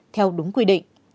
theo đúng quy định